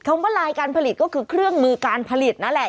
ว่าลายการผลิตก็คือเครื่องมือการผลิตนั่นแหละ